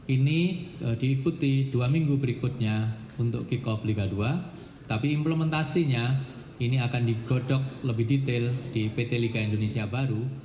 ini diikuti dua minggu berikutnya untuk kick off liga dua tapi implementasinya ini akan digodok lebih detail di pt liga indonesia baru